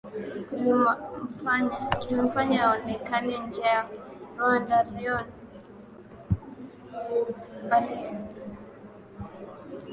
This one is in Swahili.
kulimfanya aonekane nje ya RwandaRayon walinipenda sababu nilizoea kuwafunga wakati wowote tulipokutana nao